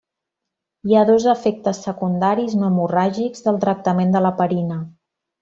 Hi ha dos efectes secundaris no hemorràgics del tractament de l'heparina.